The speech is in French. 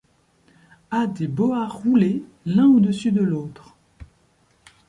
A des boas roulés l’un au-dessus de l’autre.